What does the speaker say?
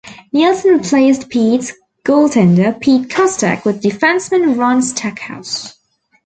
Neilson replaced Petes goaltender Pete Kostek with defenseman Ron Stackhouse.